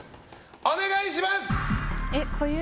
お願いします！